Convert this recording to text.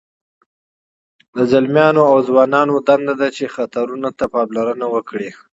د ځلمیانو او ځوانانو دنده ده چې خطرونو ته پاملرنه وکړي.